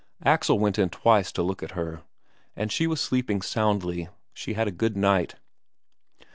Axel went in twice to look at her, and she was sleeping soundly. She had a good night.